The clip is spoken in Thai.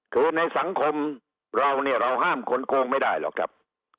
คือในสังคมเราเนี่ยเราห้ามคนโกงไม่ได้หรอกครับ